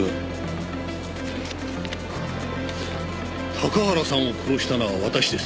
「高原さんを殺したのは私です。